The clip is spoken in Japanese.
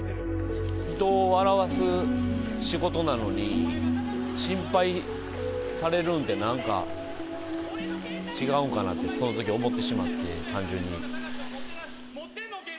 人を笑わす仕事なのに、心配されるんって、なんか違うんかなと、そのとき思ってしまって、単純に。